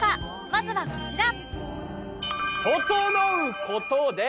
まずはこちら